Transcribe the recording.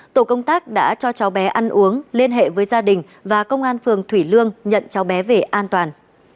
tổ công tác đã cho cháu bé ăn uống liên hệ với gia đình và công an phường thủy lương nhận cháu bé về an toàn